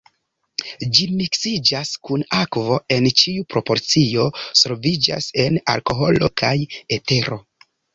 Ĝi miksiĝas kun akvo en ĉiu proporcio, solviĝas en alkoholo kaj etero.